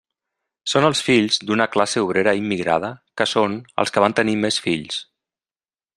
Són els fills d'una classe obrera immigrada, que són els que van tenir més fills.